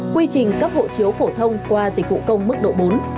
quy trình cấp hộ chiếu phổ thông qua dịch vụ công mức độ bốn